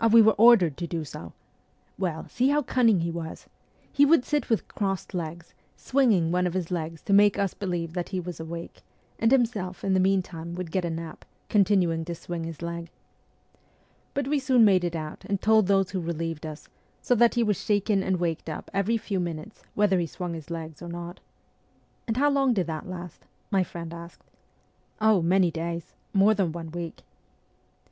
we were ordered to do so !... Well, see how cunning he was : he would sit with crossed legs, swinging one of his legs to make us believe that he was awake, and himself, in the meantime, would get a nap, continuing to swing his leg. But we soon made it out and told those who relieved us, so that he was shaken and waked up every few minutes, whether he swung his legs or not.' 'And how long did that last ?' my friend asked. ' Oh, many days more than one week.'